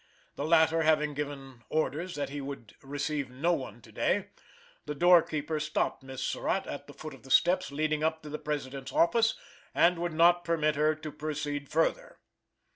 The latter having given orders that he would receive no one to day, the door keeper stopped Miss Surratt at the foot of the steps leading up to the President's office, and would not permit her to proceed further.